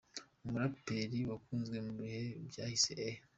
Umuraperi wakunzwe mu bihe byahise A.